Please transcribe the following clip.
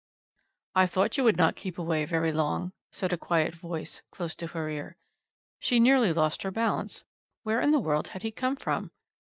"I thought you would not keep away very long," said a quiet voice close to her ear. She nearly lost her balance where in the world had he come from?